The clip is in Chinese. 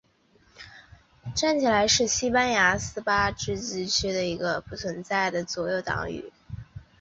站起来是西班牙巴斯克自治区的一个已不存在的左翼政党。